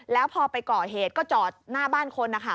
แล้วพอไปก่อเหตุก็จอดหน้าบ้านคนนะคะ